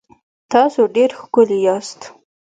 تاسو ډېر ښکلي یاست